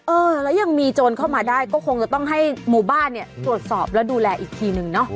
เออแล้วยังมีโจรเข้ามาได้ก็คงจะต้องให้หมู่บ้านเนี่ยตรวจสอบแล้วดูแลอีกทีนึงเนาะ